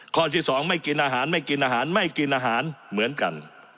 ข้อที่๒ไม่กินอาหารเหมือนกัน